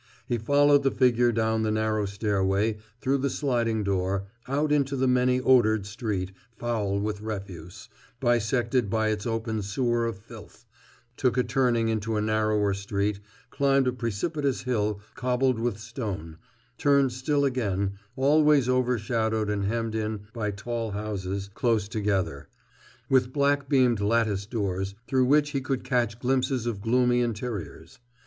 He followed the figure down the narrow stairway, through the sliding door, out into the many odored street, foul with refuse, bisected by its open sewer of filth, took a turning into a still narrower street, climbed a precipitous hill cobbled with stone, turned still again, always overshadowed and hemmed in by tall houses close together, with black beamed lattice doors through which he could catch glimpses of gloomy interiors.